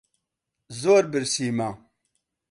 زۆر برسیمە.